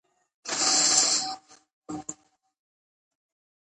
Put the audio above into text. ادبي موضوعات په ماشومانو کې مینه پیدا کوي.